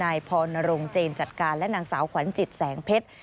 นายพรณรงเจนจัดการและนางสาวขวัญจิตแสงเพชร